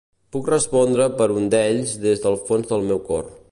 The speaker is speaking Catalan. Puc respondre per un d"ells des del fons del meu cor.